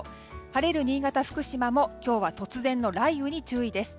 晴れる新潟、福島も今日は突然の雷雨に注意です。